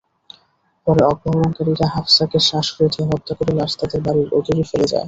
পরে অপহরণকারীরা হাফসাকে শ্বাসরোধে হত্যা করে লাশ তাঁদের বাড়ির অদূরে ফেলে যায়।